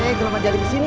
eh kenapa jali disini